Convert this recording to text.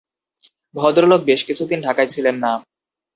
ভদ্রলোক বেশ কিছু দিন ঢাকায় ছিলেন না।